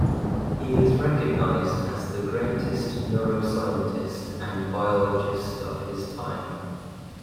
He is recognized as the greatest neuroscientist and biologist of his time.